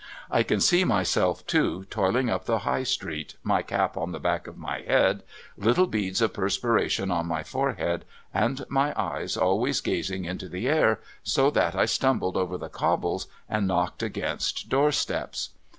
I can see myself, too, toiling up the High Street, my cap on the back of my head, little beads of perspiration on my forehead, and my eyes always gazing into the air, so that I stumbled over the cobbles and knocked against doorsteps.